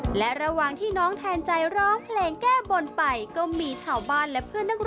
มีพุทธราชนะอันงดงามโดดเด่นจึงได้รับการยกย่องว่าเป็นหนึ่งในพระพุทธธรูปที่มีพุทธธราชนะงดงามที่สุดในเมืองไทย